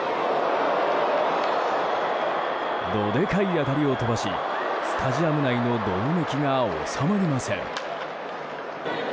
ドでかい当たりを飛ばしスタジアム内のどよめきが収まりません。